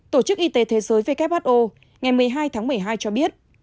tổ chức y tế thế giới who ngày một mươi hai tháng một mươi hai cho biết